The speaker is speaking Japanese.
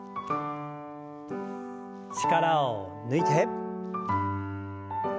力を抜いて。